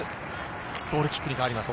ゴールキックに変わります。